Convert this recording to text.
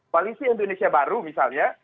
polisi indonesia baru misalnya